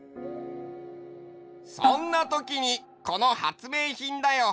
そんなときにこの発明品だよ。